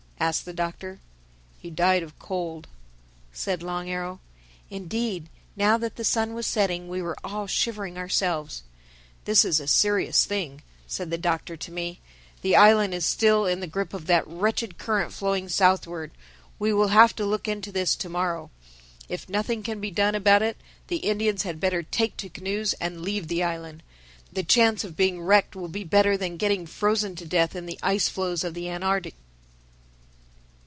asked the Doctor. "He died of cold," said Long Arrow. Indeed, now that the sun was setting, we were all shivering ourselves. "This is a serious thing," said the Doctor to me. "The island is still in the grip of that wretched current flowing southward. We will have to look into this to morrow. If nothing can be done about it, the Indians had better take to canoes and leave the island. The chance of being wrecked will be better than getting frozen to death in the ice floes of the Antarctic."